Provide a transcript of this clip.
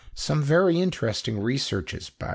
Some very interesting researches by M.